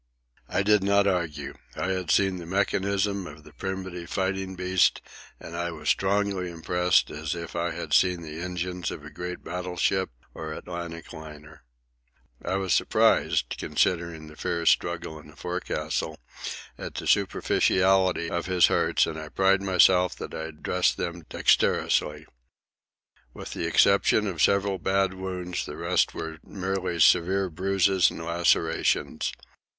I did not argue. I had seen the mechanism of the primitive fighting beast, and I was as strongly impressed as if I had seen the engines of a great battleship or Atlantic liner. I was surprised, considering the fierce struggle in the forecastle, at the superficiality of his hurts, and I pride myself that I dressed them dexterously. With the exception of several bad wounds, the rest were merely severe bruises and lacerations.